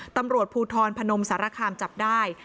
ตำรวจภูทรพนมสารคามจับได้